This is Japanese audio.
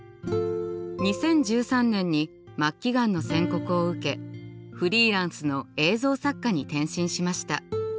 ２０１３年に末期がんの宣告を受けフリーランスの映像作家に転身しました。